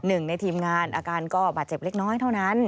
หนึ่งในทีมงานอาการก็บาดเจ็บเล็กน้อยเท่านั้น